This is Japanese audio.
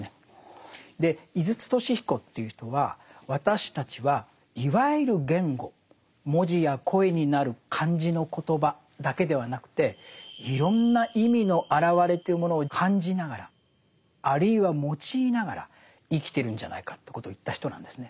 で井筒俊彦という人は私たちはいわゆる言語文字や声になる漢字の言葉だけではなくていろんな意味の表れというものを感じながらあるいは用いながら生きてるんじゃないかということを言った人なんですね。